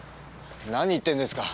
何言ってんですか！？